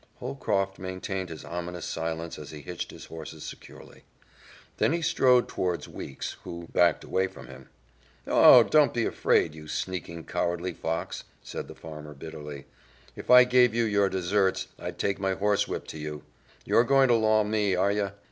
Holcroft maintained his ominous silence as he hitched his horses securely. Then he strode toward Weeks, who backed away from him. "Oh, don't be afraid, you sneaking, cowardly fox!" said the farmer bitterly. "If I gave you your desserts, I'd take my horsewhip to you. You're going to law me, are you?